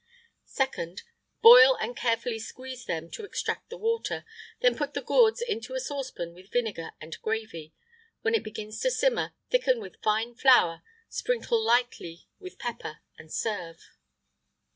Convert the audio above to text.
[IX 68] 2nd. Boil and carefully squeeze them to extract the water, then put the gourds into a saucepan with vinegar and gravy; when it begins to simmer, thicken with fine flour, sprinkle lightly with pepper, and serve.